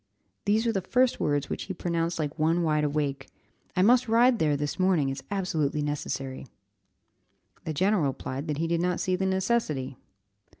These were the first words which he pronounced like one wide awake. "I must ride there this morning; it's absolutely necessary." The general replied that he did not see the necessity.